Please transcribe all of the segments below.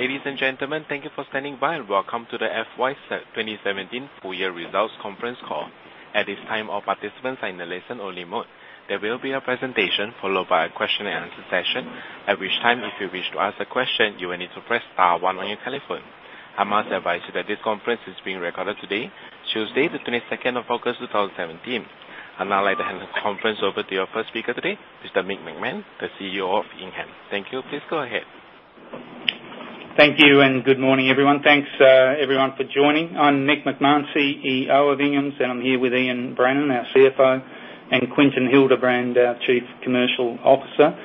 Ladies and gentlemen, thank you for standing by and welcome to the FY 2017 full year results conference call. At this time, all participants are in a listen only mode. There will be a presentation followed by a question and answer session, at which time, if you wish to ask a question, you will need to press star one on your telephone. I must advise you that this conference is being recorded today, Tuesday the 22nd of August 2017. Now I'd like to hand the conference over to your first speaker today, Mr. Mick McMahon, the CEO of Inghams. Thank you. Please go ahead. Thank you, good morning, everyone. Thanks, everyone for joining. I'm Mick McMahon, CEO of Inghams and I'm here with Ian Brannan, our CFO, and Quinton Hildebrand, our Chief Commercial Officer,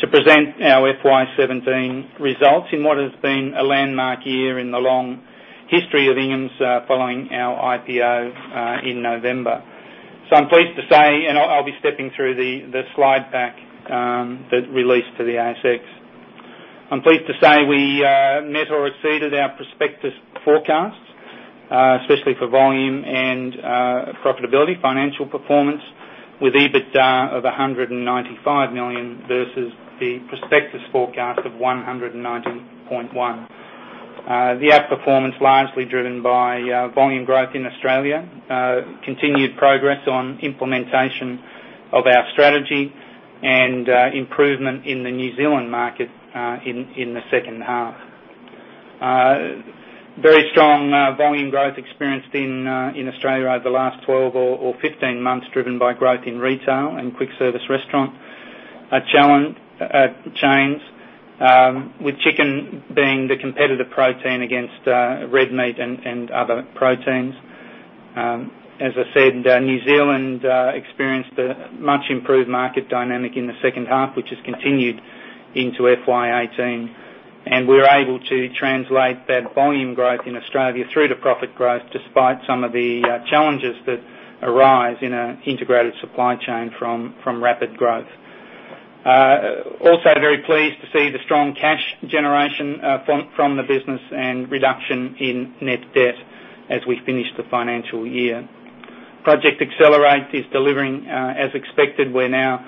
to present our FY 2017 results in what has been a landmark year in the long history of Inghams following our IPO in November. I'll be stepping through the slide pack that released to the ASX. I'm pleased to say we met or exceeded our prospectus forecasts, especially for volume and profitability, financial performance, with EBITDA of 195 million versus the prospectus forecast of 119.1. The outperformance largely driven by volume growth in Australia, continued progress on implementation of our strategy, and improvement in the New Zealand market in the second half. Very strong volume growth experienced in Australia over the last 12 or 15 months driven by growth in retail and quick service restaurant chains, with chicken being the competitive protein against red meat and other proteins. As I said, New Zealand experienced a much improved market dynamic in the second half, which has continued into FY 2018. We were able to translate that volume growth in Australia through to profit growth, despite some of the challenges that arise in an integrated supply chain from rapid growth. Also very pleased to see the strong cash generation from the business and reduction in net debt as we finish the financial year. Project Accelerate is delivering as expected. We're now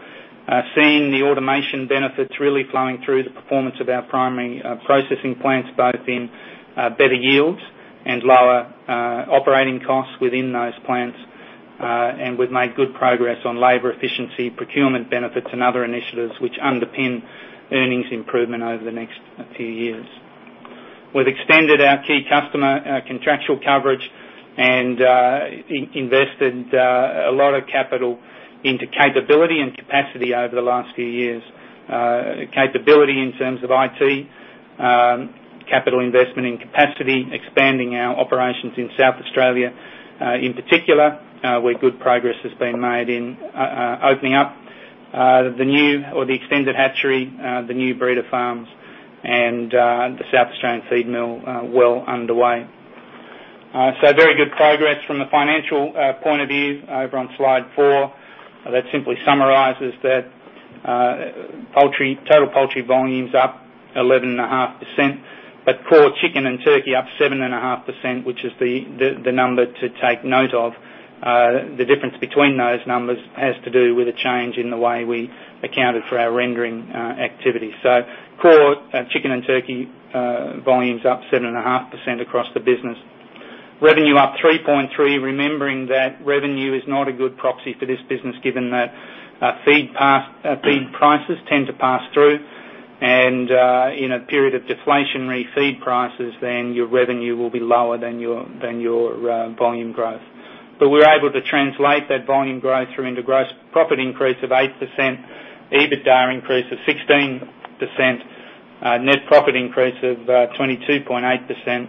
seeing the automation benefits really flowing through the performance of our primary processing plants, both in better yields and lower operating costs within those plants. We've made good progress on labor efficiency, procurement benefits, and other initiatives which underpin earnings improvement over the next few years. We've extended our key customer contractual coverage and invested a lot of capital into capability and capacity over the last few years. Capability in terms of IT, capital investment in capacity, expanding our operations in South Australia, in particular, where good progress has been made in opening up the extended hatchery, the new breeder farms, and the South Australian feed mill well underway. Very good progress from the financial point of view. Over on slide four, that simply summarizes that total poultry volume's up 11.5%, but core chicken and turkey up 7.5%, which is the number to take note of. The difference between those numbers has to do with a change in the way we accounted for our rendering activity. Core chicken and turkey volume's up 7.5% across the business. Revenue up 3.3%, remembering that revenue is not a good proxy for this business, given that feed prices tend to pass through and, in a period of deflationary feed prices, then your revenue will be lower than your volume growth. We were able to translate that volume growth through into gross profit increase of 8%, EBITDA increase of 16%, net profit increase of 22.8%,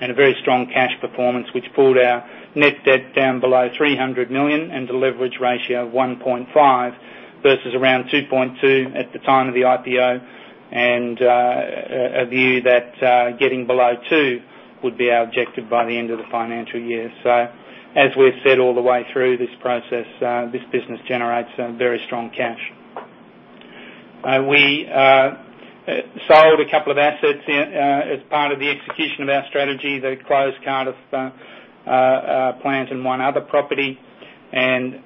and a very strong cash performance, which pulled our net debt down below 300 million, and a leverage ratio of 1.5 versus around 2.2 at the time of the IPO. A view that getting below 2 would be our objective by the end of the financial year. As we've said all the way through this process, this business generates very strong cash. We sold a couple of assets as part of the execution of our strategy, the closed Cardiff plant and one other property, and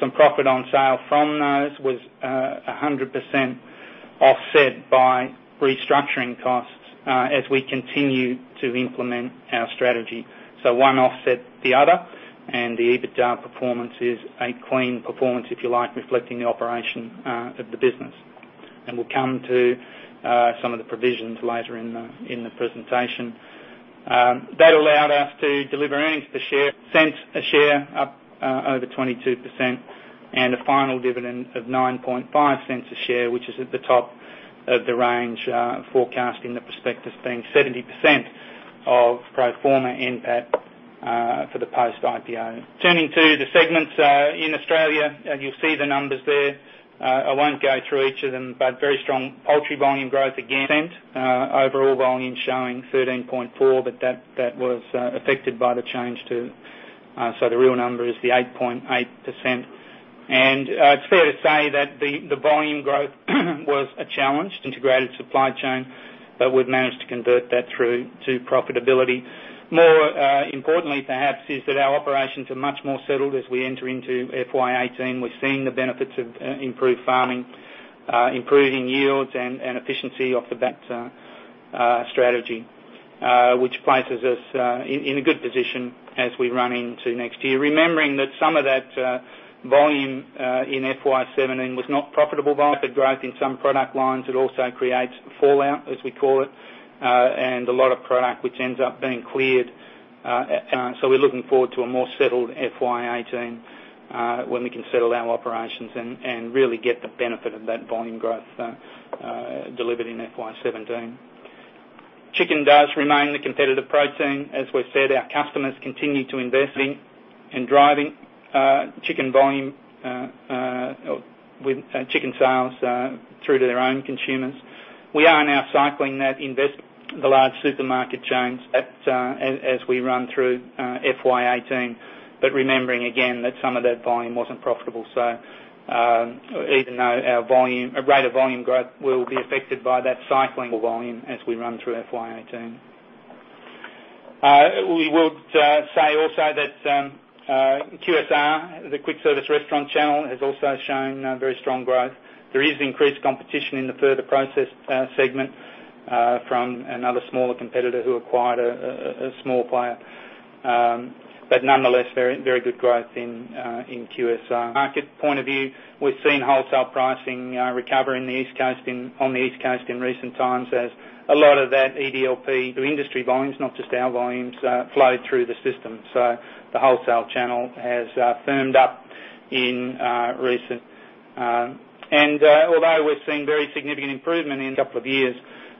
some profit on sale from those was 100% offset by restructuring costs as we continue to implement our strategy. One offset the other, and the EBITDA performance is a clean performance, if you like, reflecting the operation of the business. We'll come to some of the provisions later in the presentation. That allowed us to deliver earnings a share up over 22%, and a final dividend of 0.095 a share, which is at the top of the range forecast in the prospectus, being 70% of pro forma NPAT for the post IPO. Turning to the segments in Australia, you'll see the numbers there. I won't go through each of them, very strong poultry volume growth again, overall volume showing 13.4%, but that was affected by the change, so the real number is the 8.8%. It's fair to say that the volume growth was a challenge to integrated supply chain, but we've managed to convert that through to profitability. More importantly, perhaps, is that our operations are much more settled as we enter into FY 2018. We're seeing the benefits of improved farming, improving yields, and efficiency off the bat strategy, which places us in a good position as we run into next year. Remembering that some of that volume in FY 2017 was not profitable volume, but growth in some product lines, it also creates fallout, as we call it, and a lot of product which ends up being cleared. We're looking forward to a more settled FY 2018 when we can settle our operations and really get the benefit of that volume growth delivered in FY 2017. Chicken does remain the competitive protein. As we've said, our customers continue to invest in and driving chicken volume with chicken sales, through to their own consumers. We are now cycling that investment with the large supermarket chains as we run through FY 2018. Remembering again that some of that volume wasn't profitable. Even though our rate of volume growth will be affected by that cycling volume as we run through FY 2018. We would say also that QSR, the quick service restaurant channel, has also shown very strong growth. There is increased competition in the further processed segment from another smaller competitor who acquired a small player. Nonetheless, very good growth in QSR. Market point of view, we've seen wholesale pricing recover on the East Coast in recent times as a lot of that EDLP through industry volumes, not just our volumes, flowed through the system. The wholesale channel has firmed up. Although we're seeing very significant improvement in a couple of years,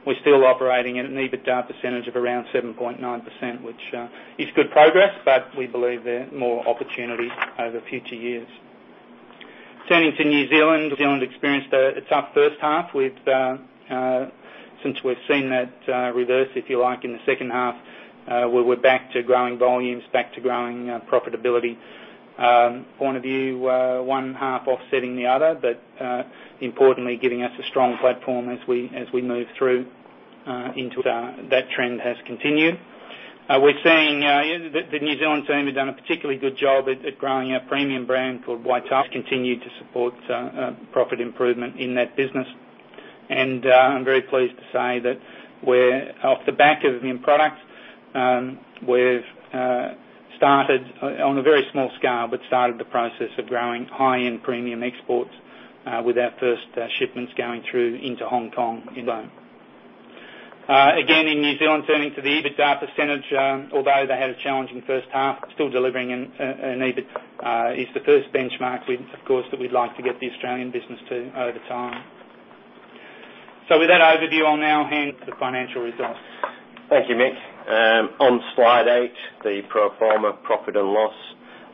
we're still operating at an EBITDA percentage of around 7.9%, which is good progress, but we believe there are more opportunities over future years. Turning to New Zealand. New Zealand experienced a tough first half. Since we've seen that reverse, if you like, in the second half, where we're back to growing volumes, back to growing profitability. Point of view, one half offsetting the other, but importantly giving us a strong platform as we move through. That trend has continued. The New Zealand team have done a particularly good job at growing a premium brand called Waitoa, which continued to support profit improvement in that business. I'm very pleased to say that we're off the back of new products. We've started, on a very small scale, but started the process of growing high-end premium exports with our first shipments going through into Hong Kong alone. Again, in New Zealand, turning to the EBITDA percentage, although they had a challenging first half, still delivering an EBITDA is the first benchmark we'd, of course, like to get the Australian business to over time. With that overview, I'll now hand to the financial results. Thank you, Mick. On slide eight, the pro forma profit and loss,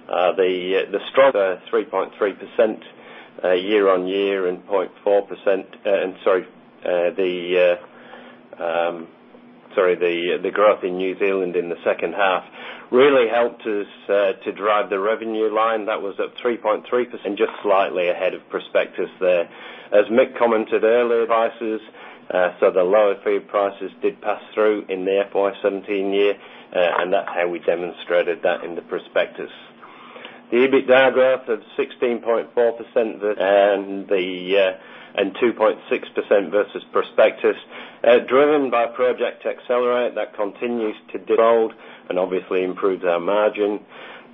the stronger 3.3% year-on-year, the growth in New Zealand in the second half really helped us to drive the revenue line. That was up 3.3% and just slightly ahead of prospectus there. As Mick commented earlier, prices, so the lower feed prices did pass through in the FY 2017 year, that's how we demonstrated that in the prospectus. The EBITDA growth of 16.4% and 2.6% versus prospectus, driven by Project Accelerate, that continues to de-roll and obviously improves our margin.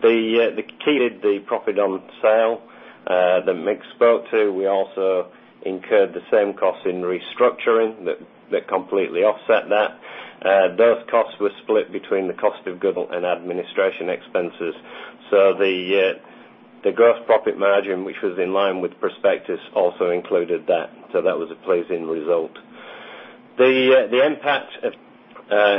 The key is the profit on sale that Mick spoke to. We also incurred the same cost in restructuring that completely offset that. Those costs were split between the cost of goods and administration expenses. The gross profit margin, which was in line with prospectus, also included that. That was a pleasing result. The impact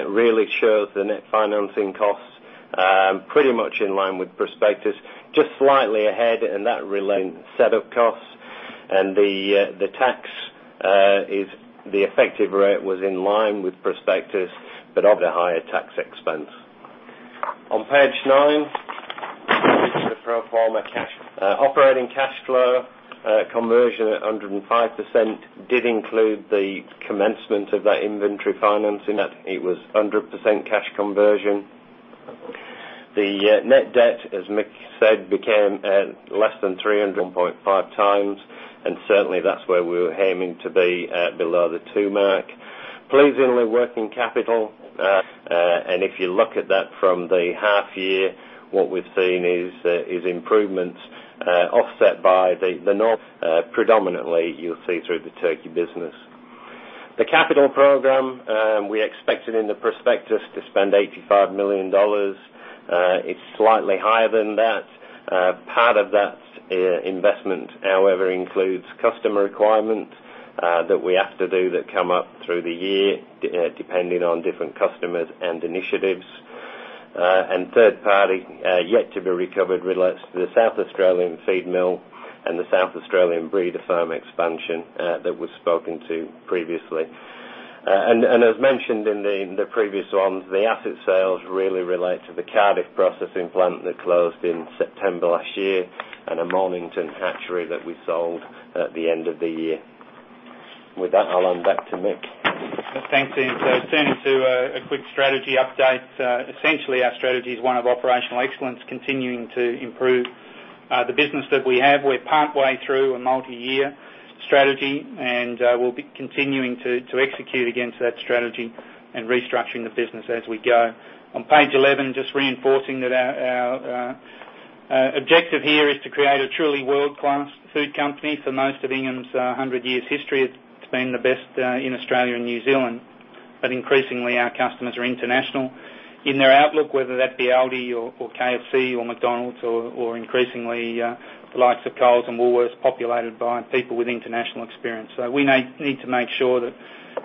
really shows the net financing cost pretty much in line with prospectus, just slightly ahead, and that relate to set up costs. The tax, the effective rate was in line with prospectus, obviously higher tax expense. On page nine, moving to the pro forma cash. Operating cash flow conversion at 105% did include the commencement of that inventory finance, in that it was 100% cash conversion. The net debt, as Mick said, became below 300 million, certainly that's where we were aiming to be, below the two mark. Pleasingly, working capital, if you look at that from the half year, what we've seen is improvements offset by the north, predominantly you'll see through the turkey business. The capital program, we expected in the prospectus to spend 85 million dollars. It's slightly higher than that. Part of that investment, however, includes customer requirements that we have to do that come up through the year, depending on different customers and initiatives. Third party, yet to be recovered, relates to the South Australian feed mill and the South Australian breeder farm expansion that was spoken to previously. As mentioned in the previous ones, the asset sales really relate to the Cardiff processing plant that closed in September last year and a Mornington hatchery that we sold at the end of the year. With that, I'll hand back to Mick. Thanks, Ian. Turning to a quick strategy update. Essentially, our strategy is one of operational excellence, continuing to improve the business that we have. We're partway through a multi-year strategy, and we'll be continuing to execute against that strategy and restructuring the business as we go. On page 11, just reinforcing that our objective here is to create a truly world-class food company. For most of Inghams 100 years history, it's been the best in Australia and New Zealand. Increasingly, our customers are international in their outlook, whether that be ALDI or KFC or McDonald's or, increasingly, the likes of Coles and Woolworths, populated by people with international experience. We need to make sure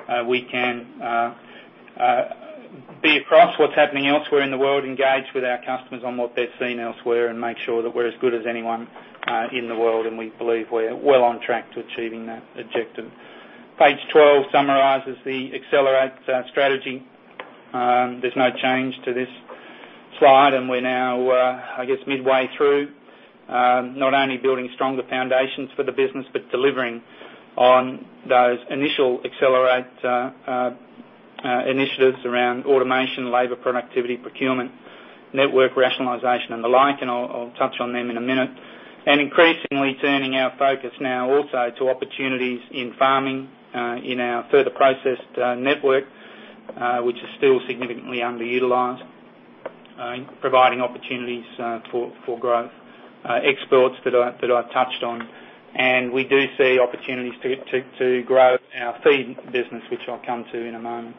that we can be across what's happening elsewhere in the world, engage with our customers on what they're seeing elsewhere, and make sure that we're as good as anyone in the world, and we believe we're well on track to achieving that objective. Page 12 summarizes the Accelerate strategy. There's no change to this slide, we're now midway through, not only building stronger foundations for the business, but delivering on those initial Accelerate initiatives around automation, labor productivity, procurement, network rationalization, and the like, I'll touch on them in a minute. Increasingly, turning our focus now also to opportunities in farming, in our further processed network, which is still significantly underutilized in providing opportunities for growth. Exports, that I've touched on. We do see opportunities to grow our feed business, which I'll come to in a moment.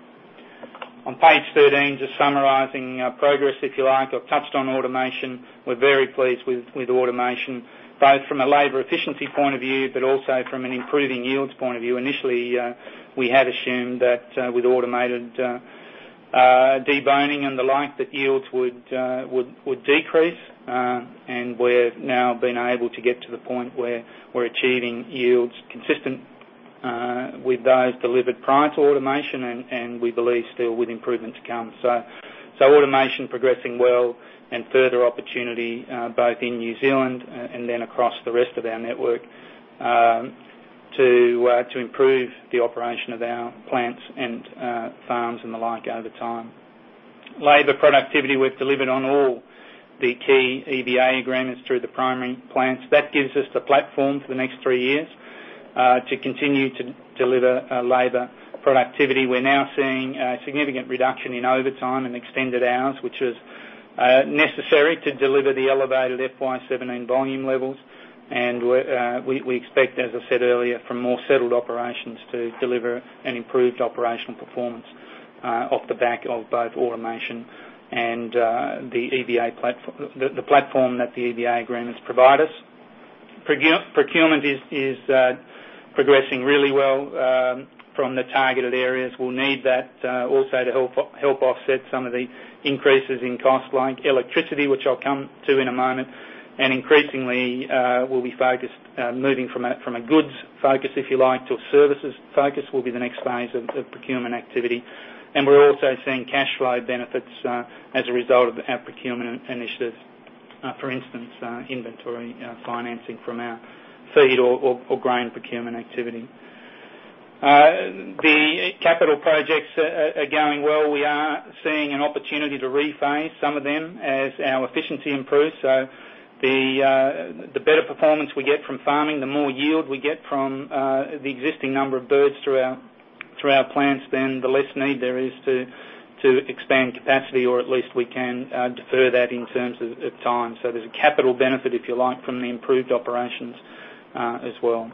On page 13, just summarizing our progress, if you like. I've touched on automation. We're very pleased with automation, both from a labor efficiency point of view, but also from an improving yields point of view. Initially, we had assumed that with automated deboning and the like, that yields would decrease. We've now been able to get to the point where we're achieving yields consistent with those delivered prior to automation, and we believe still with improvement to come. Automation progressing well and further opportunity both in New Zealand and then across the rest of our network to improve the operation of our plants and farms and the like over time. Labor productivity, we've delivered on all the key EBA agreements through the primary plants. That gives us the platform for the next three years to continue to deliver labor productivity. We're now seeing a significant reduction in overtime and extended hours, which is necessary to deliver the elevated FY 2017 volume levels. We expect, as I said earlier, for more settled operations to deliver an improved operational performance off the back of both automation and the platform that the EBA agreements provide us. Procurement is progressing really well from the targeted areas. We'll need that also to help offset some of the increases in cost, like electricity, which I'll come to in a moment. Increasingly, we'll be moving from a goods focus, if you like, to a services focus will be the next phase of procurement activity. We're also seeing cash flow benefits as a result of our procurement initiatives. For instance, inventory financing from our feed or grain procurement activity. The capital projects are going well. We are seeing an opportunity to rephase some of them as our efficiency improves. The better performance we get from farming, the more yield we get from the existing number of birds through our plants, then the less need there is to expand capacity, or at least we can defer that in terms of time. There's a capital benefit, if you like, from the improved operations as well.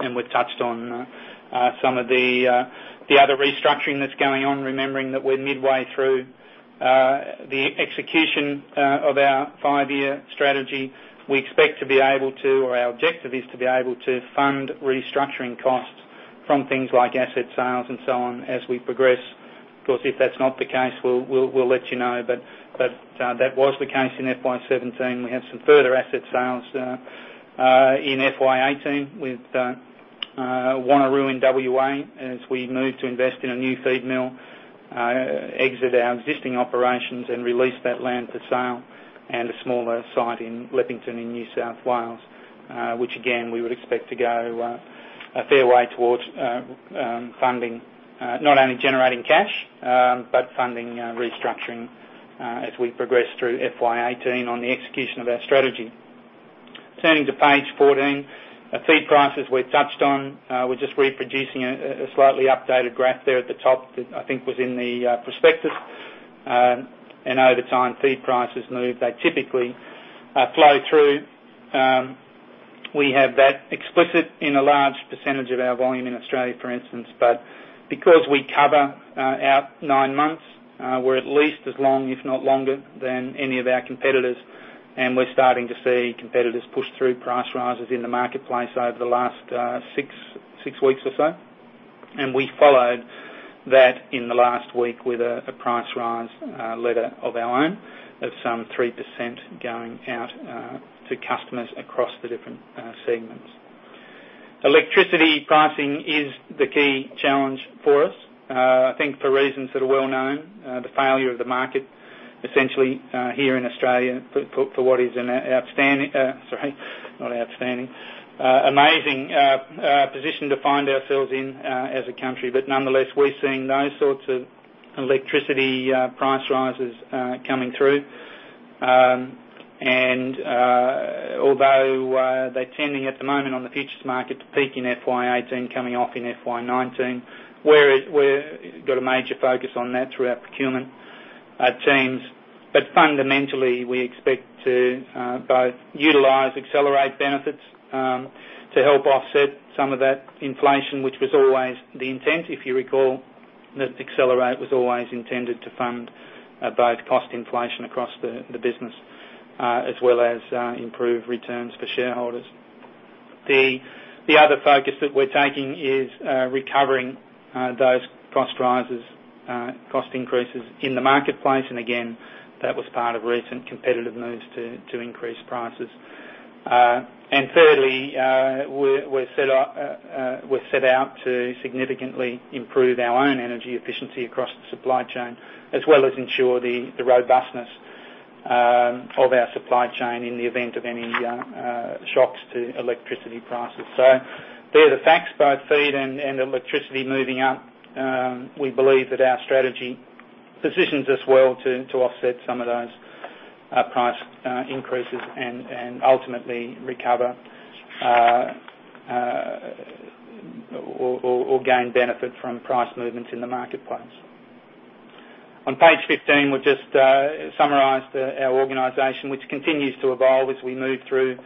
We've touched on some of the other restructuring that's going on, remembering that we're midway through the execution of our five-year strategy. We expect to be able to, or our objective is to be able to, fund restructuring costs from things like asset sales and so on as we progress. Of course, if that's not the case, we'll let you know. That was the case in FY 2017. We have some further asset sales in FY 2018 with Wanneroo in W.A., as we move to invest in a new feed mill, exit our existing operations and release that land for sale, and a smaller site in Lavington in New South Wales. Which, again, we would expect to go a fair way towards funding, not only generating cash, but funding restructuring, as we progress through FY 2018 on the execution of our strategy. Turning to page 14. Feed prices we've touched on. We're just reproducing a slightly updated graph there at the top that I think was in the prospectus. Over time, feed prices move. They typically flow through. We have that explicit in a large percentage of our volume in Australia, for instance. Because we cover our nine months, we're at least as long, if not longer, than any of our competitors, and we're starting to see competitors push through price rises in the marketplace over the last six weeks or so. We followed that in the last week with a price rise letter of our own of some 3% going out to customers across the different segments. Electricity pricing is the key challenge for us. I think for reasons that are well-known, the failure of the market essentially here in Australia for what is an outstanding, sorry, not outstanding, amazing position to find ourselves in as a country. Nonetheless, we're seeing those sorts of electricity price rises coming through. Although they're tending at the moment on the futures market to peak in FY 2018 coming off in FY 2019, we've got a major focus on that through our procurement teams. Fundamentally, we expect to both utilize Accelerate benefits to help offset some of that inflation, which was always the intent, if you recall, that Accelerate was always intended to fund both cost inflation across the business, as well as improve returns for shareholders. The other focus that we're taking is recovering those cost increases in the marketplace, and again, that was part of recent competitive moves to increase prices. Thirdly, we're set out to significantly improve our own energy efficiency across the supply chain, as well as ensure the robustness of our supply chain in the event of any shocks to electricity prices. They're the facts, both feed and electricity moving up. We believe that our strategy positions us well to offset some of those price increases and ultimately recover or gain benefit from price movements in the marketplace. On page 15, we've just summarized our organization, which continues to evolve as we move through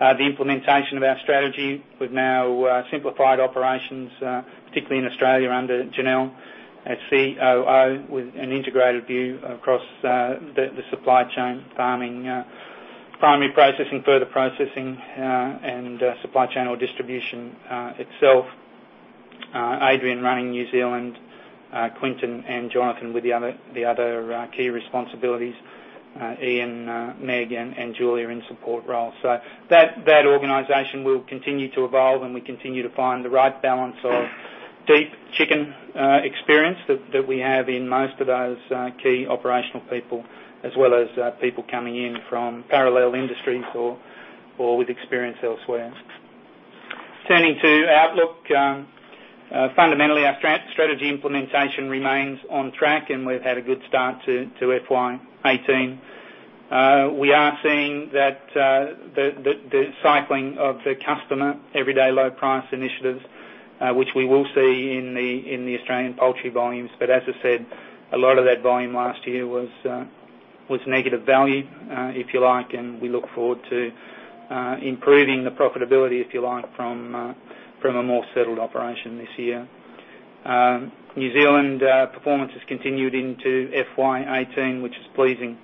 the implementation of our strategy. We've now simplified operations, particularly in Australia, under Janelle as COO, with an integrated view across the supply chain, farming, primary processing, further processing, and supply chain or distribution itself. Adrian running New Zealand, Quinton and Jonathan with the other key responsibilities, Ian, Meg, and Julia in support roles. That organization will continue to evolve, and we continue to find the right balance of deep chicken experience that we have in most of those key operational people, as well as people coming in from parallel industries or with experience elsewhere. Turning to outlook. Fundamentally, our strategy implementation remains on track, and we've had a good start to FY 2018. We are seeing that the cycling of the customer, everyday low price initiatives, which we will see in the Australian poultry volumes. As I said, a lot of that volume last year was negative value, if you like, and we look forward to improving the profitability, if you like, from a more settled operation this year. New Zealand performance has continued into FY 2018, which is pleasing,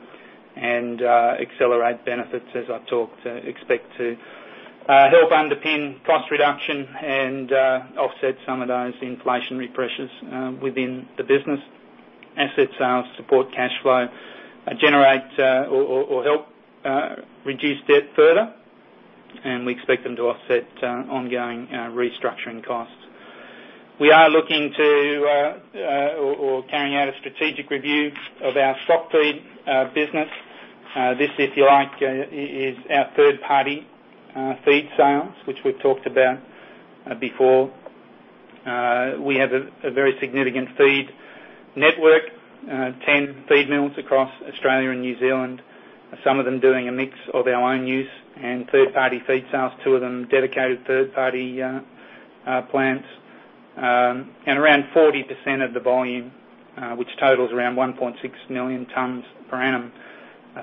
and Accelerate benefits, as I've talked, expect to help underpin cost reduction and offset some of those inflationary pressures within the business. Asset sales support cash flow, generate or help reduce debt further, and we expect them to offset ongoing restructuring costs. We are looking to or carrying out a strategic review of our stock feed business. This, if you like, is our third-party feed sales, which we've talked about before. We have a very significant feed network, 10 feed mills across Australia and New Zealand. Some of them doing a mix of our own use and third-party feed sales, two of them dedicated third-party plants. Around 40% of the volume, which totals around 1.6 million tons per annum,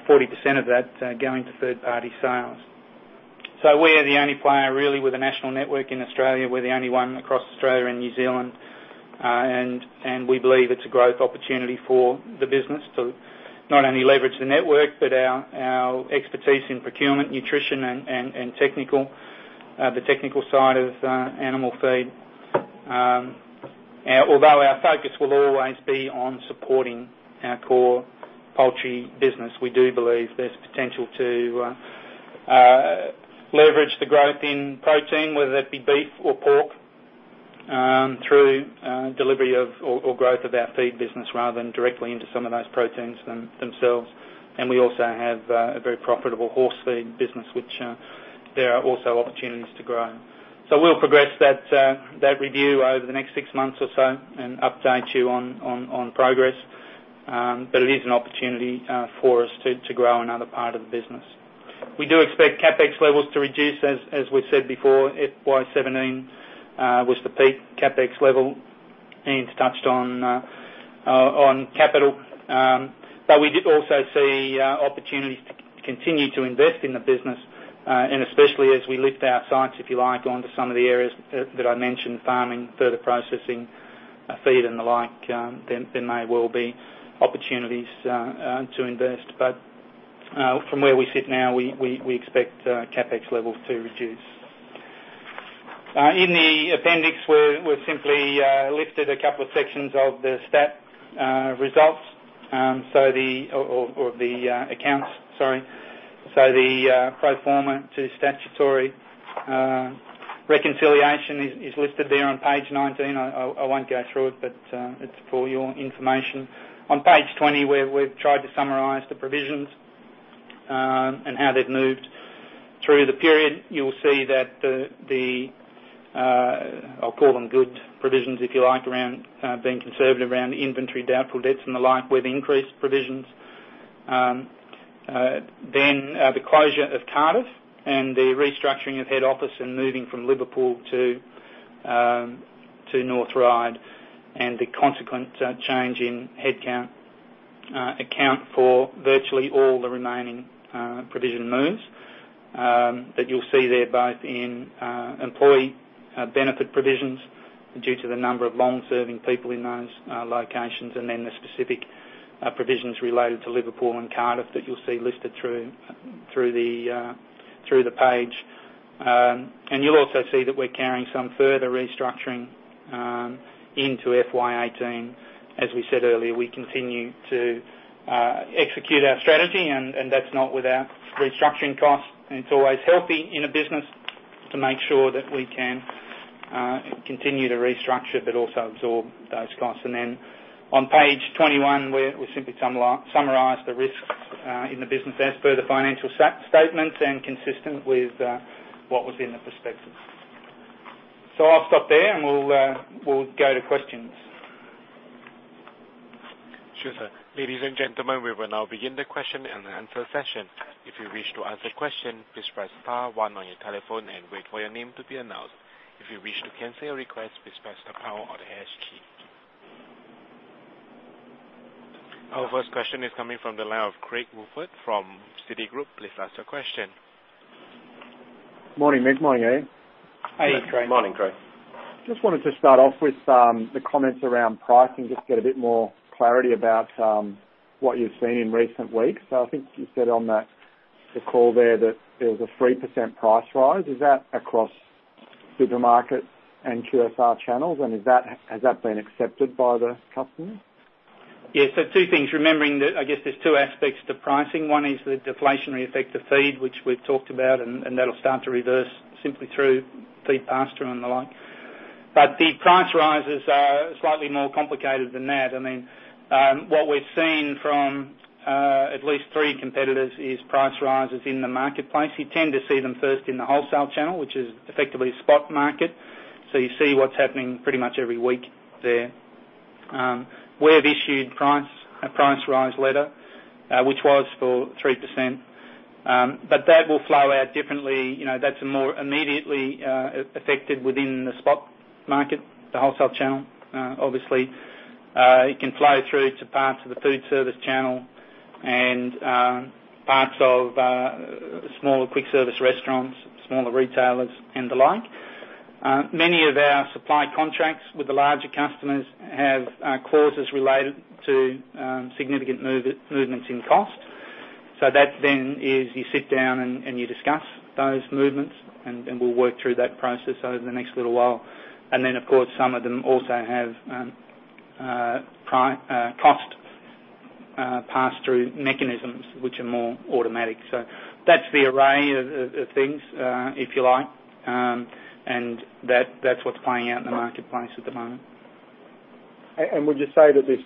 40% of that going to third-party sales. We're the only player really with a national network in Australia. We're the only one across Australia and New Zealand, and we believe it's a growth opportunity for the business to not only leverage the network, but our expertise in procurement, nutrition, and the technical side of animal feed. Although our focus will always be on supporting our core poultry business, we do believe there's potential to leverage the growth in protein, whether that be beef or pork, through delivery of or growth of our feed business rather than directly into some of those proteins themselves. We also have a very profitable horse feed business, which there are also opportunities to grow. We'll progress that review over the next six months or so and update you on progress. It is an opportunity for us to grow another part of the business. We do expect CapEx levels to reduce, as we've said before, FY 2017 was the peak CapEx level. Ian's touched on capital. We did also see opportunities to continue to invest in the business, and especially as we lift our sights, if you like, onto some of the areas that I mentioned, farming, further processing, feed, and the like, there may well be opportunities to invest. From where we sit now, we expect CapEx levels to reduce. In the appendix, we've simply lifted a couple of sections of the stat results, or the accounts, sorry. The pro forma to statutory reconciliation is listed there on page 19. I won't go through it, but it's for your information. On page 20, we've tried to summarize the provisions and how they've moved through the period. You will see that the, I'll call them good provisions, if you like, around being conservative around the inventory, doubtful debts, and the like, we've increased provisions. The closure of Cardiff and the restructuring of head office and moving from Liverpool to North Ryde, and the consequent change in headcount account for virtually all the remaining provision moves. You'll see they're both in employee benefit provisions due to the number of long-serving people in those locations, and then the specific provisions related to Liverpool and Cardiff that you'll see listed through the page. You'll also see that we're carrying some further restructuring into FY 2018. As we said earlier, we continue to execute our strategy, and that's not without restructuring costs. It's always healthy in a business to make sure that we can continue to restructure but also absorb those costs. On page 21, we simply summarize the risks in the business as per the financial statements and consistent with what was in the prospectus. I'll stop there, and we'll go to questions. Sure, sir. Ladies and gentlemen, we will now begin the question and answer session. If you wish to ask a question, please press star one on your telephone and wait for your name to be announced. If you wish to cancel your request, please press the pound or the hash key. Our first question is coming from the line of Craig Woolford from Citigroup. Please ask your question. Morning, Mick. Morning, Ian. Hey, Craig. Morning, Craig. Just wanted to start off with the comments around pricing, just get a bit more clarity about what you've seen in recent weeks. I think you said on the call there that there was a 3% price rise. Is that across supermarket and QSR channels, and has that been accepted by the customers? Yeah. Two things, remembering that I guess there's two aspects to pricing. One is the deflationary effect of feed, which we've talked about, and that'll start to reverse simply through feed pass-through and the like. The price rises are slightly more complicated than that. What we've seen from at least three competitors is price rises in the marketplace. You tend to see them first in the wholesale channel, which is effectively a spot market, you see what's happening pretty much every week there. We have issued a price rise letter, which was for 3%, but that will flow out differently. That's more immediately affected within the spot market, the wholesale channel, obviously. It can flow through to parts of the food service channel and parts of smaller quick-service restaurants, smaller retailers, and the like. Many of our supply contracts with the larger customers have clauses related to significant movements in cost. That then is, you sit down and you discuss those movements, and we'll work through that process over the next little while. Then, of course, some of them also have cost pass-through mechanisms, which are more automatic. That's the array of things, if you like, and that's what's playing out in the marketplace at the moment. Would you say that this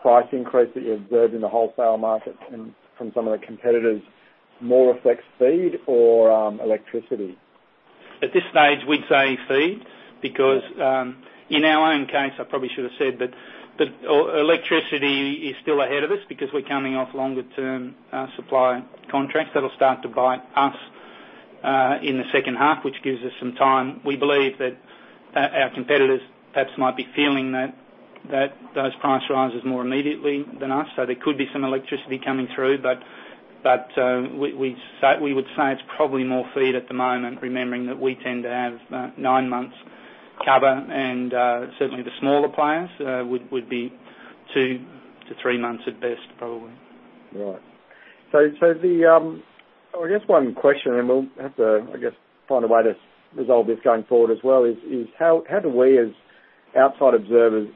price increase that you observed in the wholesale market and from some of the competitors more reflects feed or electricity? At this stage, we'd say feed, because in our own case, I probably should have said, electricity is still ahead of us because we're coming off longer-term supply contracts. That'll start to bite us in the second half, which gives us some time. We believe that our competitors perhaps might be feeling those price rises more immediately than us, there could be some electricity coming through. We would say it's probably more feed at the moment, remembering that we tend to have nine months cover, and certainly the smaller players would be two to three months at best, probably. Right. I guess one question, and we'll have to, I guess, find a way to resolve this going forward as well, is how do we as outside observers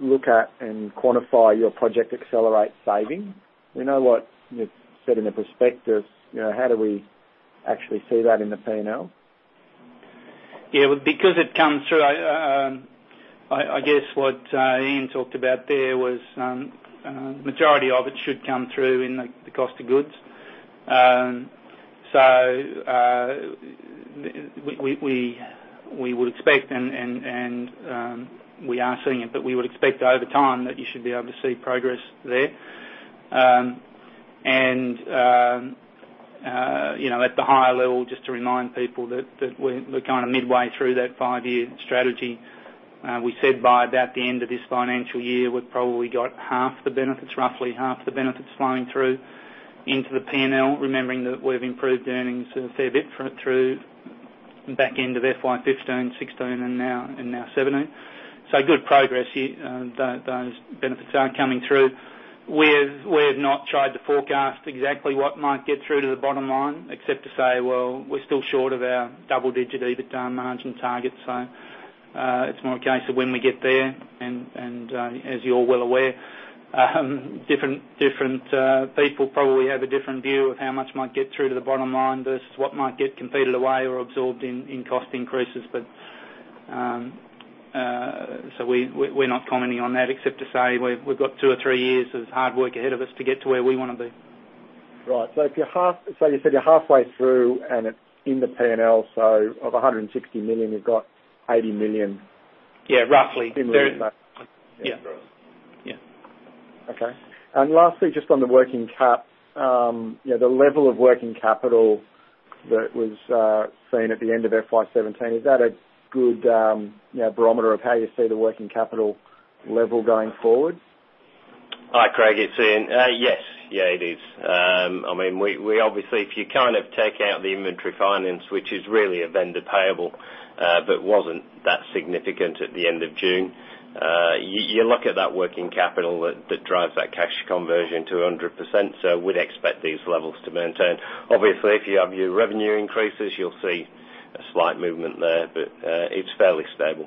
look at and quantify your Project Accelerate savings? We know what you've said in the prospectus. How do we actually see that in the P&L? Yeah. It comes through, I guess what Ian talked about there was the majority of it should come through in the cost of goods. We would expect and we are seeing it, but we would expect over time that you should be able to see progress there. At the higher level, just to remind people that we're midway through that five-year strategy. We said by about the end of this financial year, we've probably got roughly half the benefits flowing through into the P&L, remembering that we've improved earnings a fair bit through back end of FY 2015, 2016, and now 2017. Good progress. Those benefits are coming through. We've not tried to forecast exactly what might get through to the bottom line except to say, well, we're still short of our double-digit EBITDA margin target. It's more a case of when we get there, and as you're well aware, different people probably have a different view of how much might get through to the bottom line versus what might get competed away or absorbed in cost increases. We're not commenting on that except to say we've got two or three years of hard work ahead of us to get to where we want to be. Right. You said you're halfway through, and it's in the P&L. Of 160 million, you've got 80 million. Yeah, roughly. in Yeah. Okay. Lastly, just on the working cap, the level of working capital that was seen at the end of FY 2017, is that a good barometer of how you see the working capital level going forward? Hi, Craig, it's Ian. Yes. Yeah, it is. If you take out the inventory finance, which is really a vendor payable, but wasn't that significant at the end of June, you look at that working capital that drives that cash conversion to 100%, so we'd expect these levels to maintain. Obviously, if you have your revenue increases, you'll see a slight movement there, but it's fairly stable.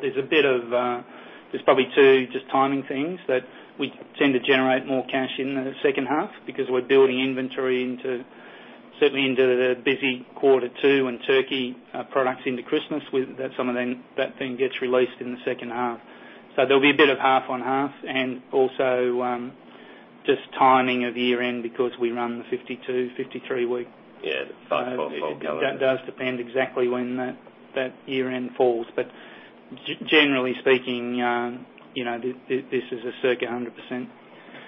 There's probably two just timing things that we tend to generate more cash in the second half because we're building inventory certainly into the busy quarter two when turkey products into Christmas, some of that then gets released in the second half. There'll be a bit of half on half and also, just timing of year-end because we run the 52, 53-week. Yeah. That does depend exactly when that year-end falls. Generally speaking, this is a circa 100%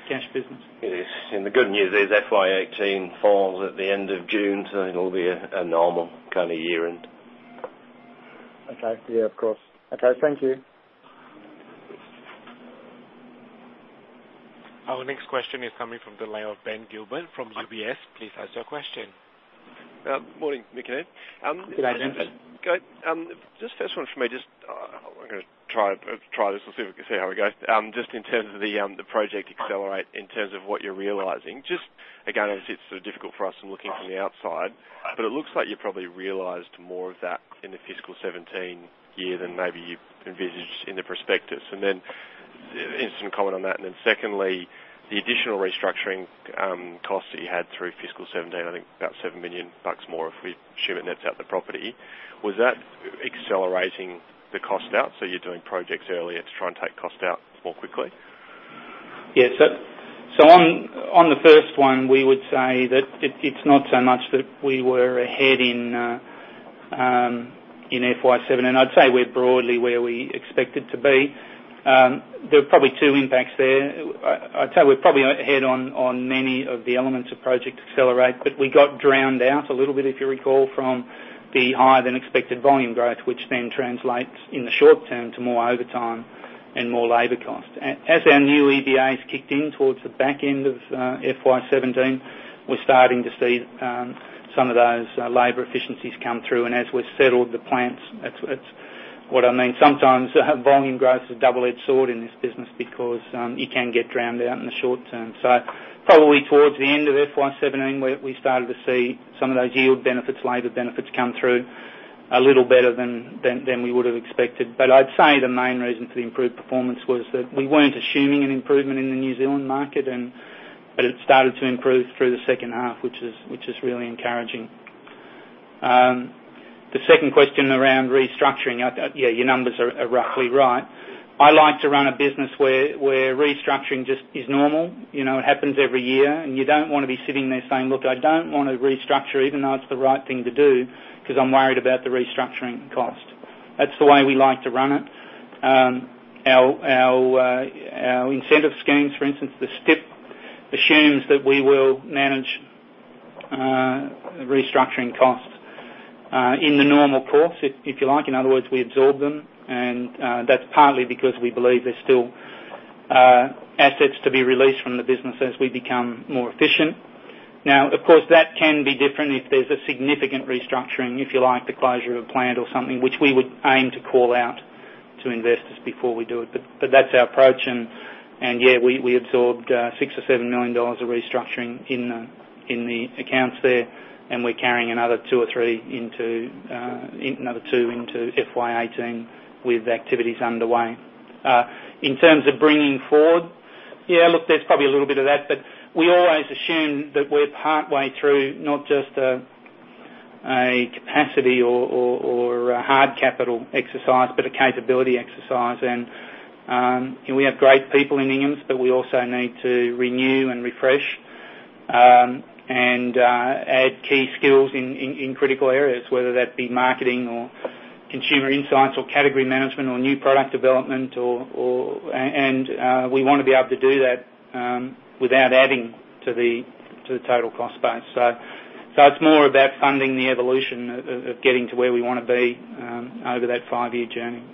cash business. It is. The good news is FY 2018 falls at the end of June, so it'll be a normal kind of year-end. Okay. Yeah, of course. Okay. Thank you. Our next question is coming from the line of Ben Gilbert from UBS. Please ask your question. Morning, Mick and Ian. Good day, Ben. Just first one from me, I'm going to try this. We'll see how it goes. Just in terms of the Project Accelerate in terms of what you're realizing, just again, obviously it's sort of difficult for us from looking from the outside, but it looks like you probably realized more of that in the fiscal 2017 year than maybe you envisaged in the prospectus. Then instant comment on that, and then secondly, the additional restructuring costs that you had through fiscal 2017, I think about 7 million bucks more if we assume it nets out the property. Was that accelerating the cost out, so you're doing projects earlier to try and take cost out more quickly? On the first one, we would say that it's not so much that we were ahead in FY 2017, I'd say we're broadly where we expected to be. There are probably two impacts there. I'd say we're probably ahead on many of the elements of Project Accelerate, but we got drowned out a little bit, if you recall, from the higher-than-expected volume growth, which then translates in the short term to more overtime and more labor cost. As our new EBAs kicked in towards the back end of FY 2017, we're starting to see some of those labor efficiencies come through. As we've settled the plants, that's what I mean. Sometimes volume growth is a double-edged sword in this business because you can get drowned out in the short term. Probably towards the end of FY 2017, we started to see some of those yield benefits, labor benefits come through a little better than we would've expected. I'd say the main reason for the improved performance was that we weren't assuming an improvement in the New Zealand market, but it started to improve through the second half, which is really encouraging. The second question around restructuring, yeah, your numbers are roughly right. I like to run a business where restructuring just is normal. It happens every year, you don't want to be sitting there saying, "Look, I don't want to restructure even though it's the right thing to do because I'm worried about the restructuring cost." That's the way we like to run it. Our incentive schemes, for instance, the STIP assumes that we will manage restructuring costs in the normal course, if you like. In other words, we absorb them, that's partly because we believe there's still assets to be released from the business as we become more efficient. Of course, that can be different if there's a significant restructuring, if you like, the closure of a plant or something, which we would aim to call out to investors before we do it. That's our approach, yeah, we absorbed 6 million or 7 million dollars of restructuring in the accounts there, and we're carrying another 2 into FY 2018 with activities underway. In terms of bringing forward, yeah, look, there's probably a little bit of that, we always assume that we're partway through not just a capacity or a hard capital exercise, but a capability exercise. We have great people in Inghams, we also need to renew and refresh, add key skills in critical areas, whether that be marketing or consumer insights or category management or new product development, and we want to be able to do that without adding to the total cost base. It's more about funding the evolution of getting to where we want to be over that five-year journey.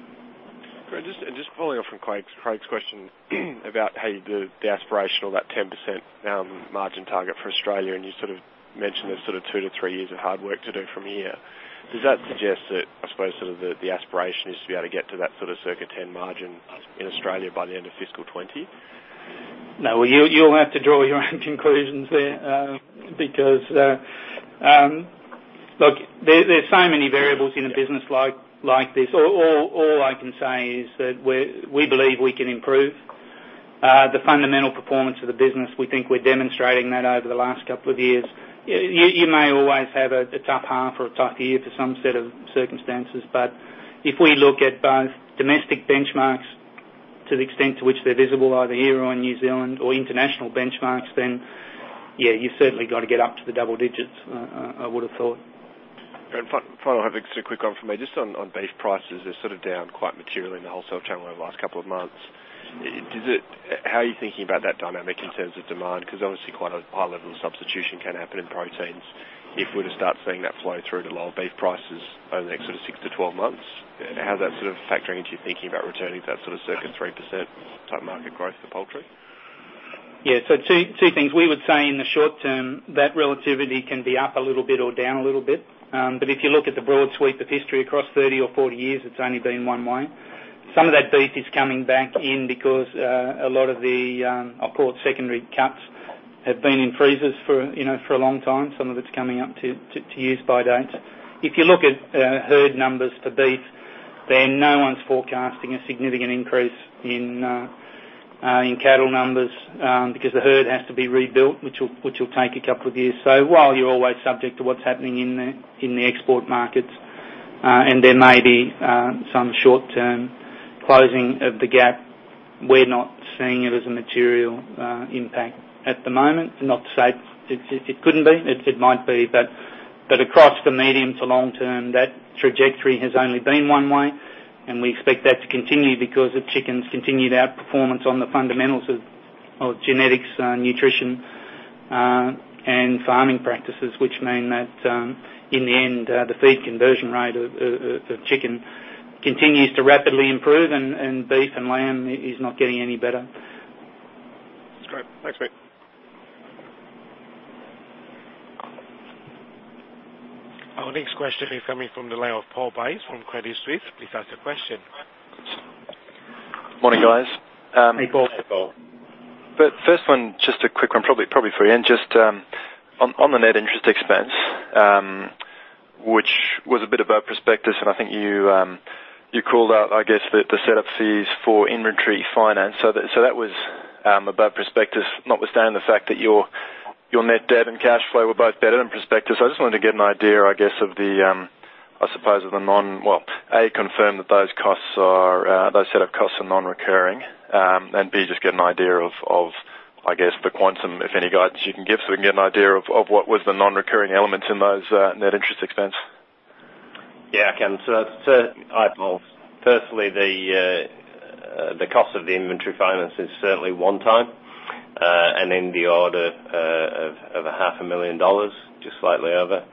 Great. Just following up from Craig's question about how you do the aspirational, that 10% margin target for Australia, you sort of mentioned there's two to three years of hard work to do from here. Does that suggest that, I suppose, sort of the aspiration is to be able to get to that sort of circa 10% margin in Australia by the end of fiscal 2020? No. You'll have to draw your own conclusions there, because, look, there are so many variables in a business like this. All I can say is that we believe we can improve the fundamental performance of the business. We think we're demonstrating that over the last couple of years. You may always have a tough half or a tough year for some set of circumstances. If we look at both domestic benchmarks to the extent to which they're visible, either here or in New Zealand or international benchmarks, then yeah, you've certainly got to get up to the double digits, I would have thought. Final, I have a quick one for me. Just on beef prices, they're sort of down quite materially in the wholesale channel over the last couple of months. How are you thinking about that dynamic in terms of demand? Because obviously quite a high level of substitution can happen in proteins if we're to start seeing that flow through to lower beef prices over the next 6-12 months. How's that sort of factoring into your thinking about returning to that sort of circa 3% type market growth for poultry? Yeah. Two things. We would say in the short term, that relativity can be up a little bit or down a little bit. If you look at the broad sweep of history across 30 or 40 years, it's only been one way. Some of that beef is coming back in because a lot of the, I call it secondary cuts, have been in freezers for a long time. Some of it's coming up to use-by dates. If you look at herd numbers for beef, then no one's forecasting a significant increase in cattle numbers, because the herd has to be rebuilt, which will take a couple of years. While you're always subject to what's happening in the export markets, and there may be some short-term closing of the gap, we're not seeing it as a material impact at the moment. Not to say it couldn't be. It might be, but across the medium to long term, that trajectory has only been one way, and we expect that to continue because of chickens' continued outperformance on the fundamentals of genetics, nutrition, and farming practices, which mean that in the end, the feed conversion rate of chicken continues to rapidly improve and beef and lamb is not getting any better. That's great. Thanks, Mick. Our next question is coming from the line of Paul Bassat from Credit Suisse, with ask a question. Morning, guys. Hey, Paul. First one, just a quick one, probably for Ian. Just on the net interest expense, which was a bit above prospectus, and I think you called out, I guess, the setup fees for inventory finance. That was above prospectus, notwithstanding the fact that your net debt and cash flow were both better than prospectus. I just wanted to get an idea, I guess, I suppose of the non, well, A, confirm that those setup costs are non-recurring, and B, just get an idea of, I guess, the quantum, if any guidance you can give, so we can get an idea of what was the non-recurring elements in those net interest expense. Yeah, I can. Hi Paul. Firstly, the cost of the inventory finance is certainly one-time, and in the order of a half a million AUD, just slightly over.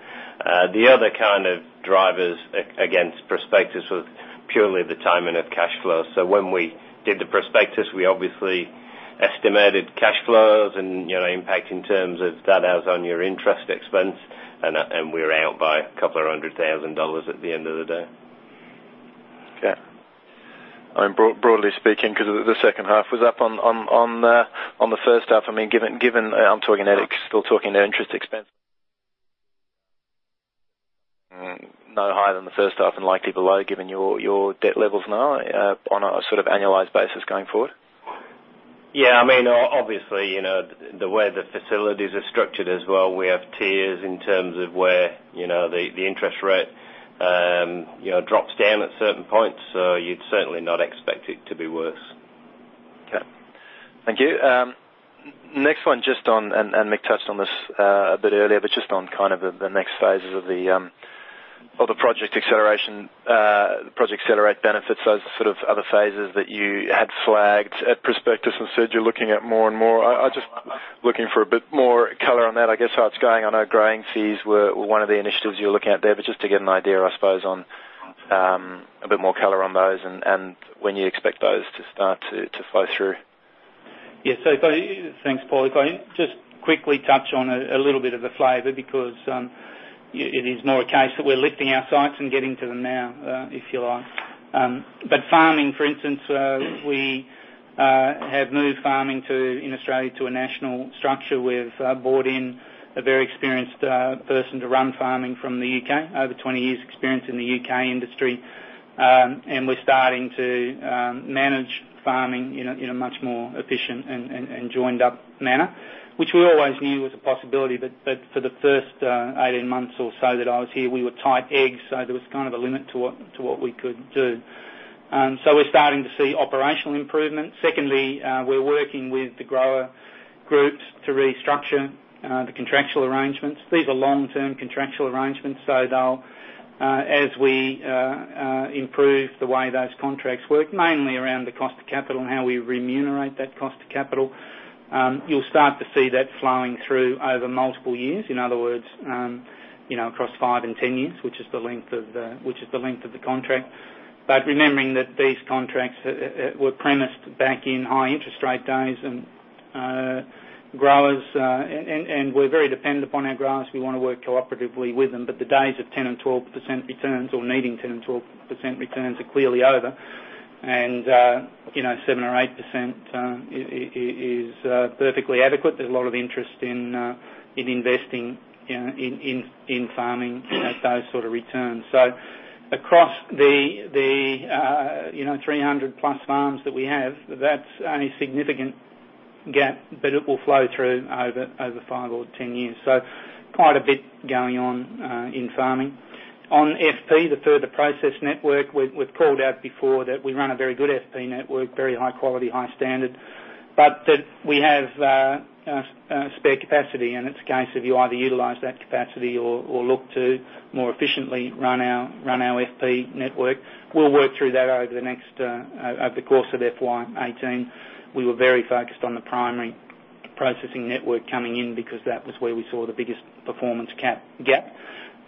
The other kind of drivers against prospectus was purely the timing of cash flow. When we did the prospectus, we obviously estimated cash flows and impact in terms of that on your interest expense, and we were out by a couple of hundred thousand AUD at the end of the day. Okay. Broadly speaking, because the second half was up on the first half. I'm still talking net interest expense. No higher than the first half and likely below, given your debt levels now on a sort of annualized basis going forward? Yeah. Obviously, the way the facilities are structured as well, we have tiers in terms of where the interest rate drops down at certain points. You'd certainly not expect it to be worse. Okay. Thank you. Next one, Mick touched on this a bit earlier, but just on kind of the next phases of the Project Accelerate benefits, those sort of other phases that you had flagged at prospectus and said you're looking at more and more. I'm just looking for a bit more color on that, I guess, how it's going. I know growing fees were one of the initiatives you're looking at there, but just to get an idea, I suppose, on a bit more color on those and when you expect those to start to flow through. Yeah. Thanks, Paul. If I just quickly touch on a little bit of the flavor, because it is more a case that we're lifting our sights and getting to them now, if you like. Farming, for instance, we have moved farming in Australia to a national structure. We've brought in a very experienced person to run farming from the U.K., over 20 years experience in the U.K. industry. We're starting to manage farming in a much more efficient and joined up manner, which we always knew was a possibility. For the first 18 months or so that I was here, we were tied eggs, there was kind of a limit to what we could do. We're starting to see operational improvement. Secondly, we're working with the grower groups to restructure the contractual arrangements. These are long-term contractual arrangements, as we improve the way those contracts work, mainly around the cost of capital and how we remunerate that cost of capital, you'll start to see that flowing through over multiple years. In other words, across five and 10 years, which is the length of the contract. Remembering that these contracts were premised back in high interest rate days, we're very dependent upon our growers. We want to work cooperatively with them. The days of 10% and 12% returns or needing 10% and 12% returns are clearly over. 7% or 8% is perfectly adequate. There's a lot of interest in investing in farming at those sort of returns. Across the 300-plus farms that we have, that's only a significant gap, but it will flow through over five or 10 years. Quite a bit going on in farming. On FP, the further processed network, we've called out before that we run a very good FP network, very high quality, high standard. That we have spare capacity, and it's a case of you either utilize that capacity or look to more efficiently run our FP network. We'll work through that over the course of FY 2018. We were very focused on the primary processing network coming in because that was where we saw the biggest performance gap.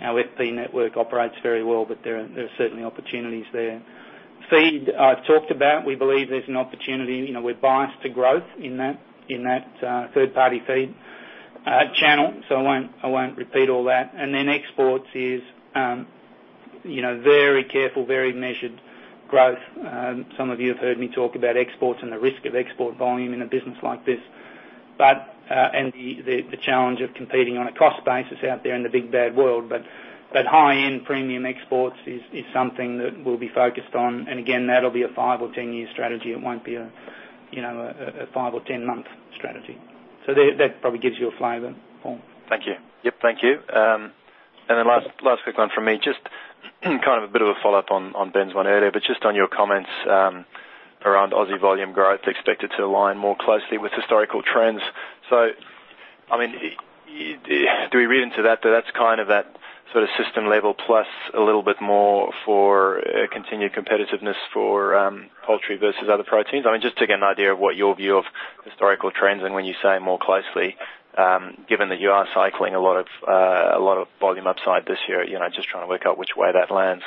Our FP network operates very well, but there are certainly opportunities there. Feed, I've talked about. We believe there's an opportunity. We're biased to growth in that third-party feed channel, so I won't repeat all that. Exports is very careful, very measured growth. Some of you have heard me talk about exports and the risk of export volume in a business like this, and the challenge of competing on a cost basis out there in the big, bad world. High-end premium exports is something that we'll be focused on. That'll be a 5 or 10-year strategy. It won't be a 5 or 10-month strategy. That probably gives you a flavor, Paul. Thank you. Yep, thank you. Last quick one from me, just a bit of a follow-up on Ben's one earlier, but just on your comments around Aussie volume growth expected to align more closely with historical trends. Do we read into that that's that sort of system level plus a little bit more for continued competitiveness for poultry versus other proteins? Just to get an idea of what your view of historical trends and when you say more closely, given that you are cycling a lot of volume upside this year, just trying to work out which way that lands.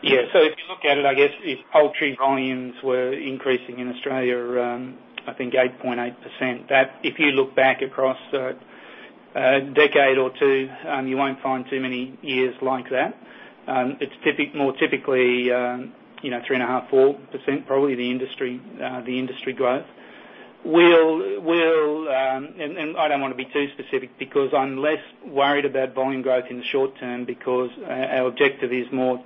Yeah. If you look at it, I guess if poultry volumes were increasing in Australia around, I think 8.8%, if you look back across a decade or two, you won't find too many years like that. It's more typically 3.5%, 4%, probably the industry growth. I don't want to be too specific because I'm less worried about volume growth in the short term, because our objective is more